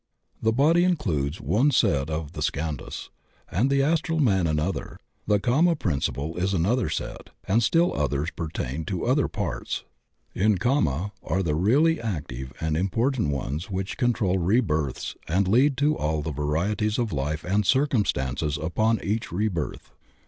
The body includes one set of the skandhas, the astral man another, the kama principle is another set, and still others pertain to other parts. In kama are the really active and important ones which control rebirths and lead to all the varieties of life and circimistance upon each rebirth.'